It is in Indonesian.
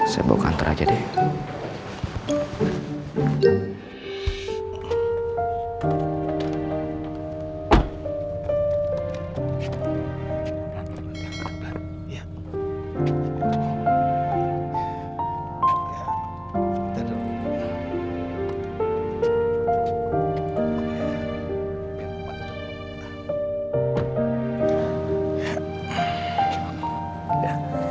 saya bawa ke kantor aja deh